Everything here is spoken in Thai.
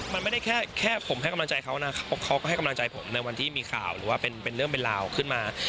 มันไม่ได้แค่ผมให้กำลังใจเขานะเขาก็ให้กำลังใจผมในวันที่มีข่าวหรือว่าเป็นเรื่องเป็นราวขึ้นมา